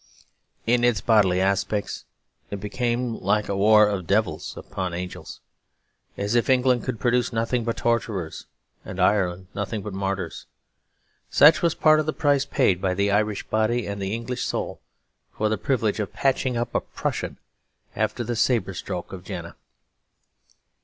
In its bodily aspects it became like a war of devils upon angels; as if England could produce nothing but torturers, and Ireland nothing but martyrs. Such was a part of the price paid by the Irish body and the English soul, for the privilege of patching up a Prussian after the sabre stroke of Jena.